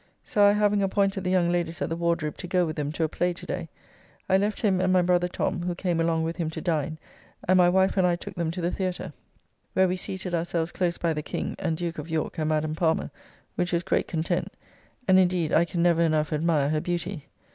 So I having appointed the young ladies at the Wardrobe to go with them to a play to day, I left him and my brother Tom who came along with him to dine, and my wife and I took them to the Theatre, where we seated ourselves close by the King, and Duke of York, and Madame Palmer, which was great content; and, indeed, I can never enough admire her beauty.